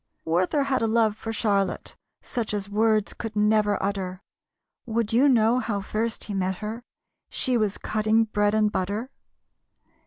Werther had a love for Charlotte Such as words could never utter; Would you know how first he met her She was cutting bread and butter.